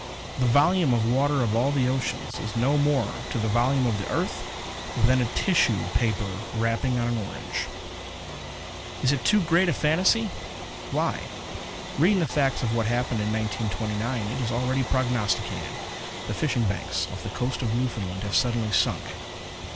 The volume of water of all the oceans is no more to the volume of the earth than a tissue paper wrapping on an orange._ _Is it too great a fantasy? Why, reading the facts of what happened in 1929, it is already prognosticated. The fishing banks off the Coast of Newfoundland have suddenly sunk.